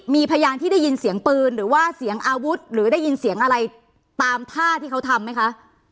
มีพยานที่ได้ยินเสียงปืนหรือว่าเสียงอาวุธหรือได้ยินเสียงอะไรตามท่าที่เขาทำไหมคะ